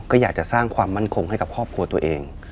ก็อยากจะสร้างความมั่นคงให้กับครอบครัวตัวเอง